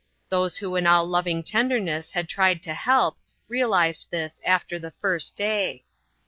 Those who in all loving tenderness had tried to help, realized this after the first day.